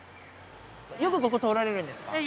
よくここ通られるんですか？